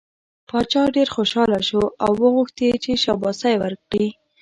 باچا ډېر خوشحاله شو او وغوښت یې چې شاباسی ورکړي.